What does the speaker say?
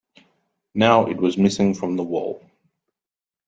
Now it was missing from the wall.